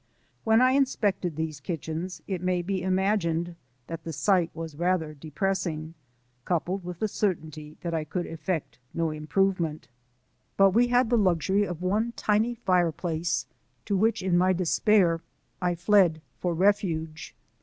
When I inspected these kitchens, it may be imagined that the sight was rather depressing, coupled with the certainty that I could 64 FACE TO FACE WITH THE MEXICANS, effect no improvement. But we had the luxury of one tiny fire place, to which in my despair I fled for refuge.